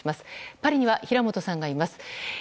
パリには平本さんがいます。